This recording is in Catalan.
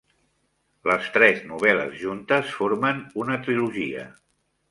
Les tres novel·les juntes formen una trilogia.